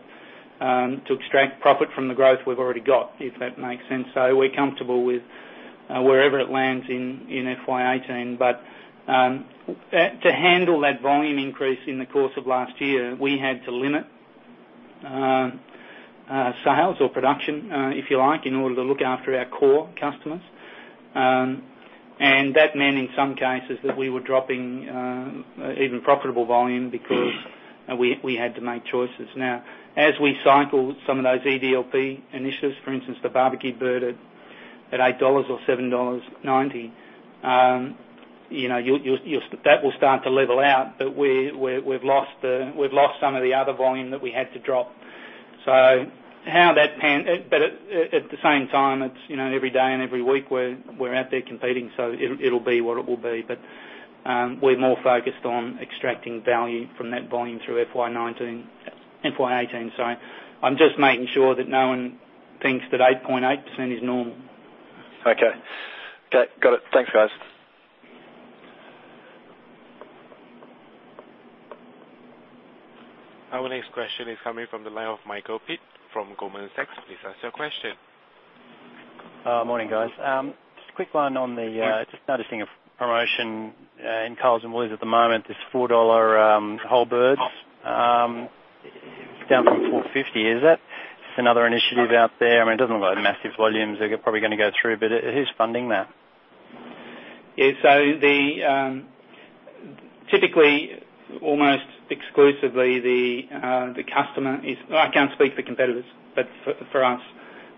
to extract profit from the growth we've already got, if that makes sense. We're comfortable with wherever it lands in FY 2018. To handle that volume increase in the course of last year, we had to limit sales or production, if you like, in order to look after our core customers. That meant, in some cases, that we were dropping even profitable volume because we had to make choices. As we cycle some of those EDLP initiatives, for instance, the BBQ Bird at 8 dollars or 7.90 dollars, that will start to level out. We've lost some of the other volume that we had to drop. At the same time, every day and every week, we're out there competing, so it will be what it will be. We're more focused on extracting value from that volume through FY 2019, FY 2018. I'm just making sure that no one thinks that 8.8% is normal. Okay. Got it. Thanks, guys. Our next question is coming from the line of Michael Pitt from Goldman Sachs. Please ask your question. Morning, guys. Just noticing a promotion in Coles and Woolies at the moment, this 4 dollar whole birds, down from 4.50. Is that another initiative out there? It doesn't look like massive volumes they're probably going to go through, who's funding that? Typically, almost exclusively, the customer is. I can't speak for competitors, but for us,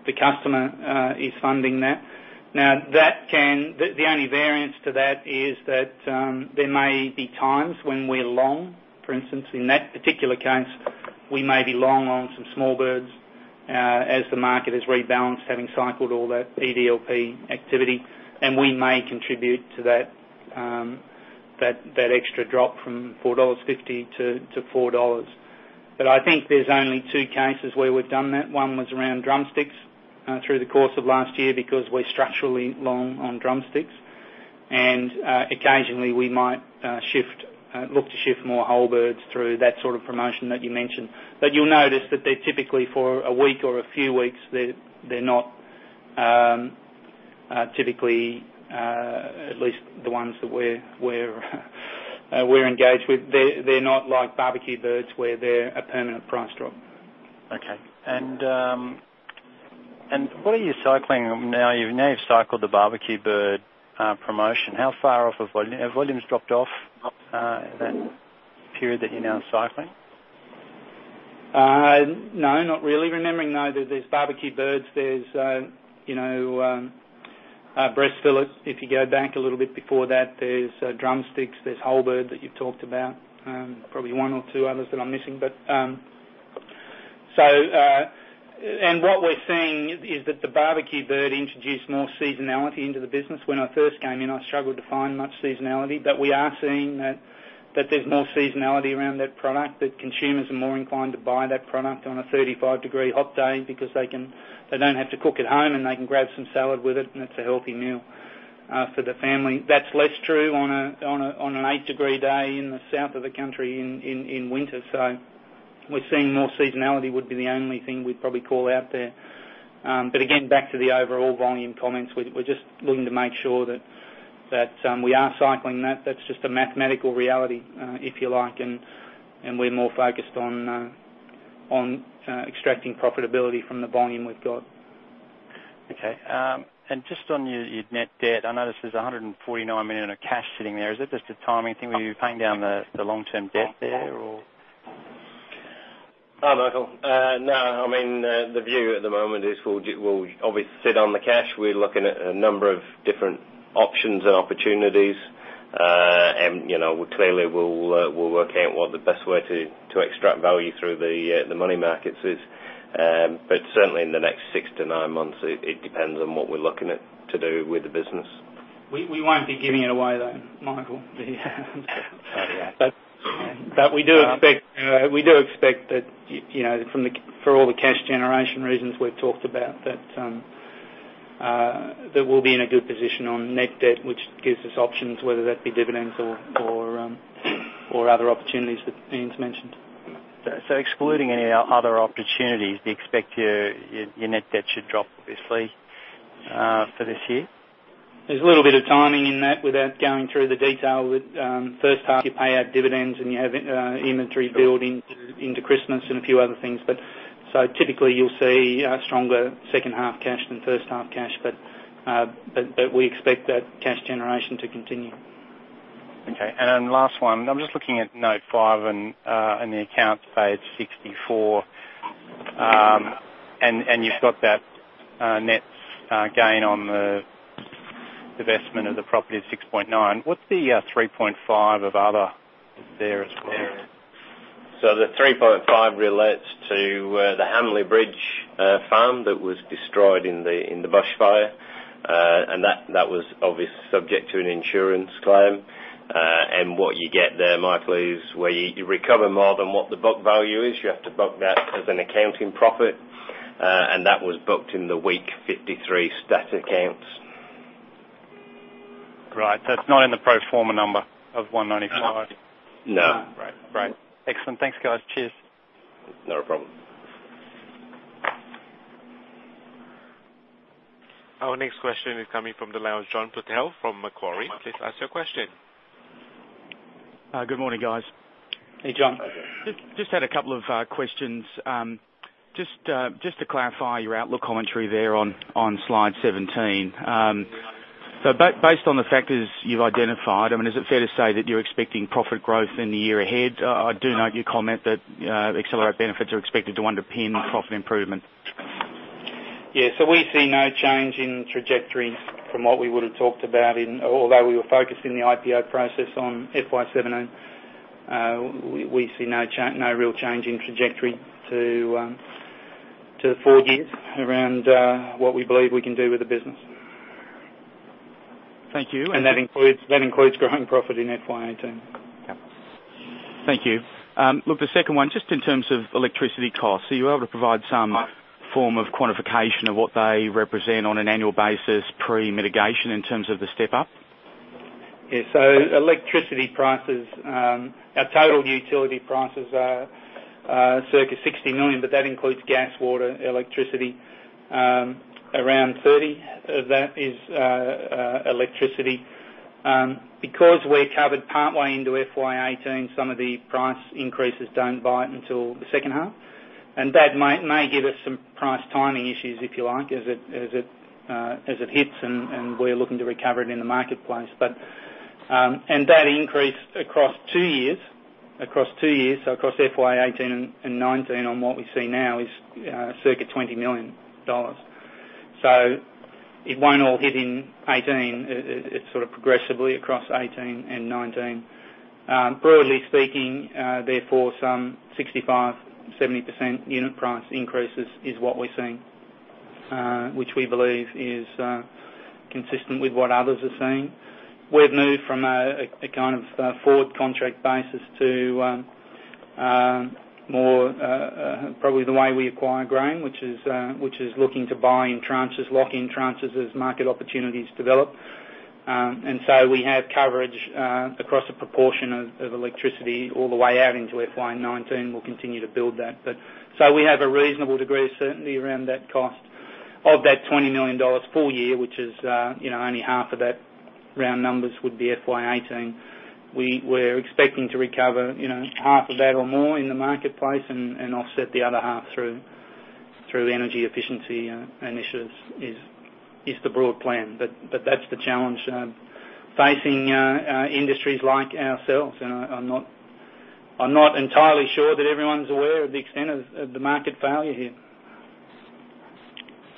the customer is funding that. The only variance to that is that there may be times when we're long. For instance, in that particular case, we may be long on some small birds as the market has rebalanced, having cycled all that EDLP activity, and we may contribute to that extra drop from 4.50 dollars to 4 dollars. I think there's only two cases where we've done that. One was around drumsticks through the course of last year because we're structurally long on drumsticks. Occasionally, we might look to shift more whole birds through that sort of promotion that you mentioned. You'll notice that they're typically for a week or a few weeks. They're not typically, at least the ones that we're engaged with, they're not like BBQ Birds where they're a permanent price drop. Okay. What are you cycling now? You've now cycled the BBQ Bird promotion. How far off have volumes dropped off that period that you're now cycling? No, not really. Remembering, though, there's BBQ Birds, there's breast fillets. If you go back a little bit before that, there's drumsticks, there's whole bird that you talked about. Probably one or two others that I'm missing. What we're seeing is that the BBQ Bird introduced more seasonality into the business. When I first came in, I struggled to find much seasonality. We are seeing that there's more seasonality around that product, that consumers are more inclined to buy that product on a 35-degree hot day because they don't have to cook at home, and they can grab some salad with it, and it's a healthy meal for the family. That's less true on an eight-degree day in the south of the country in winter. We're seeing more seasonality would be the only thing we'd probably call out there. Again, back to the overall volume comments, we're just looking to make sure that we are cycling that. That's just a mathematical reality, if you like, and we're more focused on extracting profitability from the volume we've got. Okay. Just on your net debt, I noticed there's 149 million of cash sitting there. Is that just a timing thing? Were you paying down the long-term debt there or? Hi, Michael. I mean, the view at the moment is, we'll obviously sit on the cash. We're looking at a number of different options and opportunities. Clearly, we'll work out what the best way to extract value through the money markets is. Certainly, in the next six to nine months, it depends on what we're looking at to do with the business. We won't be giving it away, though, Michael. Oh, yeah. We do expect that for all the cash generation reasons we've talked about, that we'll be in a good position on net debt, which gives us options, whether that be dividends or other opportunities that Ian's mentioned. Excluding any other opportunities, do you expect your net debt should drop, obviously, for this year? There's a little bit of timing in that without going through the detail. With the first half, you pay out dividends, and you have inventory build into Christmas and a few other things. Typically, you'll see stronger second-half cash than first-half cash. We expect that cash generation to continue. Okay. Last one, I'm just looking at note five, the accounts say it's 64, you've got that net gain on the divestment of the property of 6.9. What's the 3.5 of other there as well? The 3.5 relates to the Hamley Bridge farm that was destroyed in the bushfire. That was obviously subject to an insurance claim. What you get there, Michael, is where you recover more than what the book value is, you have to book that as an accounting profit. That was booked in the week 53 stat accounts. Right. It's not in the pro forma number of 195? No. Right. Excellent. Thanks, guys. Cheers. Not a problem. Our next question is coming from the line of John Purtell from Macquarie. Please ask your question. Good morning, guys. Hey, John. Hi, John. Had a couple of questions. To clarify your outlook commentary there on slide 17. Based on the factors you've identified, I mean, is it fair to say that you're expecting profit growth in the year ahead? I do note your comment that Accelerate benefits are expected to underpin profit improvement. Yeah. We see no change in trajectory from what we would've talked about, although we were focused in the IPO process on FY 2017. We see no real change in trajectory to four years around what we believe we can do with the business. Thank you. That includes growing profit in FY 2018. Yeah. Thank you. Look, the second one, just in terms of electricity costs, are you able to provide some form of quantification of what they represent on an annual basis pre-mitigation in terms of the step-up? Yeah. Our total utility prices are circa 60 million, but that includes gas, water, electricity. Around 30 of that is electricity. Because we're covered partway into FY 2018, some of the price increases don't bite until the second half. That may give us some price timing issues, if you like, as it hits, and we're looking to recover it in the marketplace. That increase across two years, so across FY 2018 and FY 2019, on what we see now, is circa 20 million dollars. It won't all hit in 2018. It's progressively across 2018 and 2019. Broadly speaking, therefore, some 65%-70% unit price increases is what we're seeing, which we believe is consistent with what others are seeing. We've moved from a forward contract basis to more probably the way we acquire grain, which is looking to buy in tranches, lock in tranches as market opportunities develop. We have coverage across a proportion of electricity all the way out into FY 2019. We'll continue to build that. We have a reasonable degree of certainty around that cost of that 20 million dollars full year, which is only half of that round numbers would be FY 2018. We're expecting to recover half of that or more in the marketplace and offset the other half through energy efficiency initiatives, is the broad plan. That's the challenge facing industries like ourselves, and I'm not entirely sure that everyone's aware of the extent of the market failure here.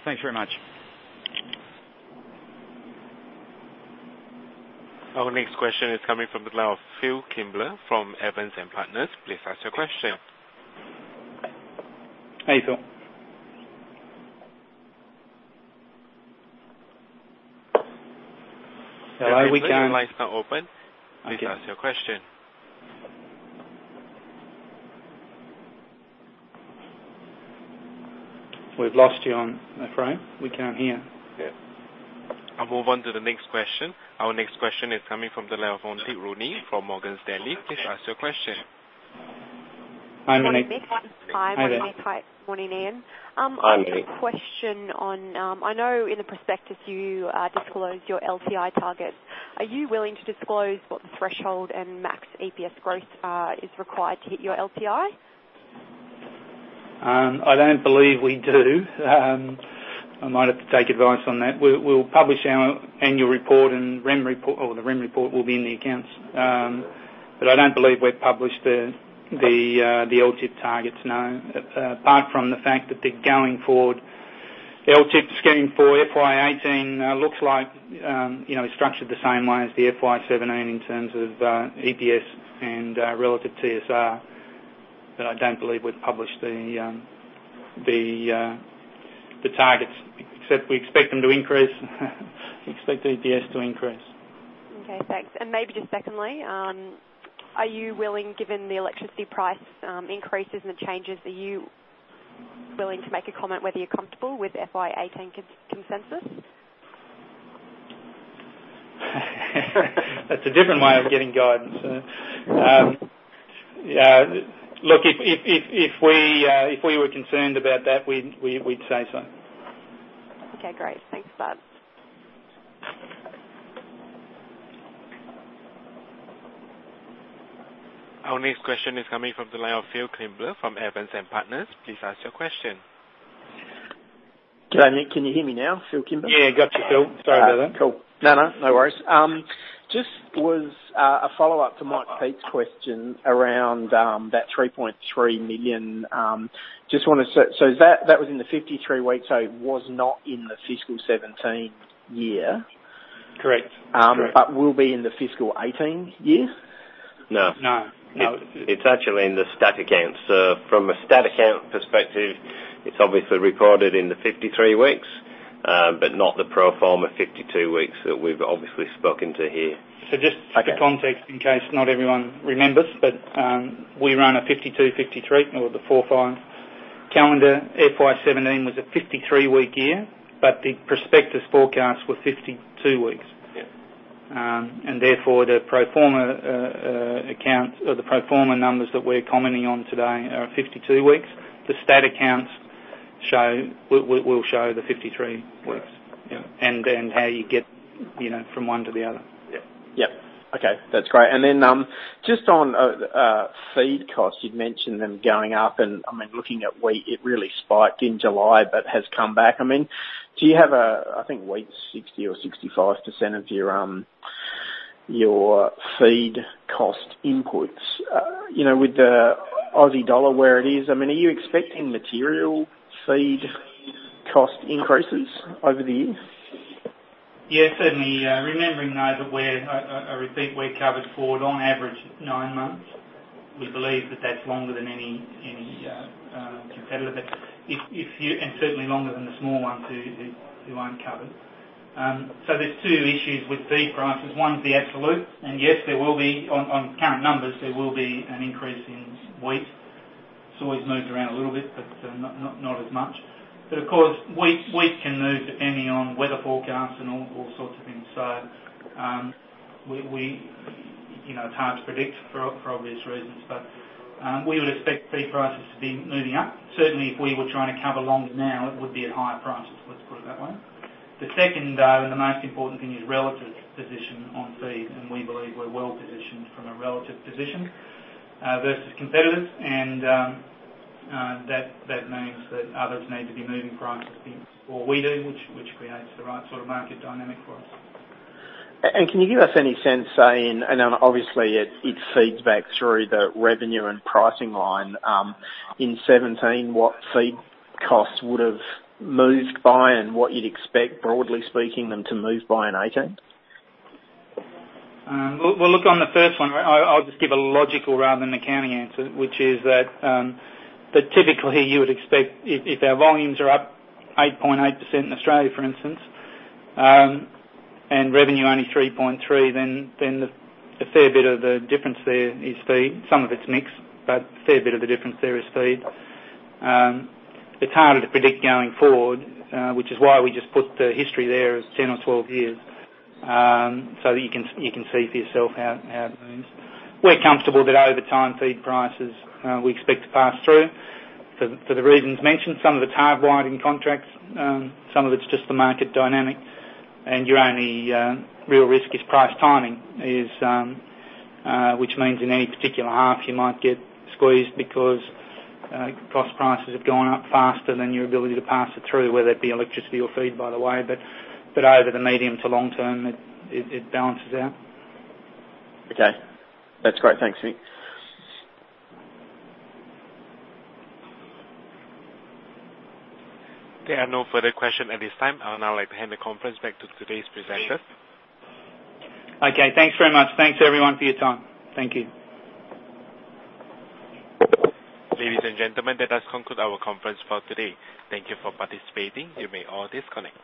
Thanks very much. Our next question is coming from the line of Phillip Kimber from Evans and Partners. Please ask your question. Hey, Phil. Your lines are now open. Please ask your question. We've lost you on the phone. We can't hear. Yeah. I'll move on to the next question. Our next question is coming from the line of Andrew Rooney from Morgan Stanley. Please ask your question. Hi, Mick. Hi, Mick. Hi. Morning, Ian. Andy. A question on, I know in the prospectus you disclosed your LTI targets. Are you willing to disclose what the threshold and max EPS growth is required to hit your LTI? I don't believe we do. I might have to take advice on that. We'll publish our annual report and the REM report will be in the accounts. I don't believe we've published the LTIP targets, no. Apart from the fact that going forward, the LTIP scheme for FY 2018 looks like it's structured the same way as the FY 2017 in terms of EPS and relative TSR. I don't believe we've published the targets, except we expect them to increase. We expect the EPS to increase. Okay, thanks. Maybe just secondly, are you willing, given the electricity price increases and the changes, are you willing to make a comment whether you're comfortable with FY 2018 consensus? That's a different way of getting guidance. Look, if we were concerned about that, we'd say so. Okay, great. Thanks for that. Our next question is coming from the line of Phil Kimber from Evans and Partners. Please ask your question. G'day, Mick. Can you hear me now? Phil Kimber. Yeah, got you, Phil. Sorry about that. Cool. No, no worries. Just was a follow-up to Michael Pitt's question around that 3.5 million. That was in the 53-week, so it was not in the FY 2017 year? Correct. Will be in the FY 2018 year? No. No. It's actually in the stat accounts. From a stat account perspective, it's obviously recorded in the 53 weeks, but not the pro forma 52 weeks that we've obviously spoken to here. Just for context, in case not everyone remembers, but we run a 52, 53 with the 4/5 calendar. FY 2017 was a 53-week year, but the prospectus forecast was 52 weeks. Yeah. Therefore, the pro forma account or the pro forma numbers that we're commenting on today are 52 weeks. The stat accounts will show the 53 weeks. Yeah. Then how you get from one to the other. Yeah. Yep. Okay, that's great. Then just on feed costs, you'd mentioned them going up and, I mean, looking at wheat, it really spiked in July but has come back. Do you have, I think wheat's 60% or 65% of your feed cost inputs. With the Australian dollar where it is, are you expecting material feed cost increases over the years? Certainly. Remembering, though, I repeat, we're covered for, on average, 9 months. We believe that that's longer than any competitor, and certainly longer than the small ones who aren't covered. There's 2 issues with feed prices. One is the absolute, and yes, on current numbers, there will be an increase in wheat. Soy's moved around a little bit, but not as much. Of course, wheat can move depending on weather forecasts and all sorts of things. It's hard to predict for obvious reasons, but we would expect feed prices to be moving up. Certainly, if we were trying to cover long now, it would be at higher prices. Let's put it that way. The second, and the most important thing, is relative position on feed. We believe we're well positioned from a relative position versus competitors. That means that others need to be moving prices before we do, which creates the right sort of market dynamic for us. Can you give us any sense, Ian, and then obviously it feeds back through the revenue and pricing line, in FY 2017, what feed costs would have moved by and what you'd expect, broadly speaking, them to move by in FY 2018? Well, look, on the first one, I'll just give a logical rather than accounting answer, which is that typically you would expect if our volumes are up 8.8% in Australia, for instance, and revenue only 3.3%, then a fair bit of the difference there is feed. Some of it's mix, but a fair bit of the difference there is feed. It's harder to predict going forward, which is why we just put the history there as 10 or 12 years. You can see for yourself how it moves. We're comfortable that over time, feed prices, we expect to pass through for the reasons mentioned. Some of it's hardwired in contracts, some of it's just the market dynamic. Your only real risk is price timing, which means in any particular half you might get squeezed because cost prices have gone up faster than your ability to pass it through, whether it be electricity or feed, by the way. Over the medium to long term, it balances out. Okay. That's great. Thanks, Ian. There are no further questions at this time. I would now like to hand the conference back to today's presenters. Okay, thanks very much. Thanks, everyone, for your time. Thank you. Ladies and gentlemen, that does conclude our conference for today. Thank you for participating. You may all disconnect.